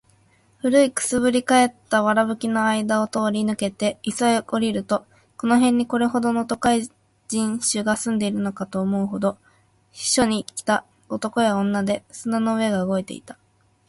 古い燻（くす）ぶり返った藁葺（わらぶき）の間あいだを通り抜けて磯（いそ）へ下りると、この辺にこれほどの都会人種が住んでいるかと思うほど、避暑に来た男や女で砂の上が動いていた。